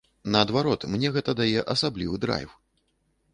Наадварот, мне гэта дае асаблівы драйв.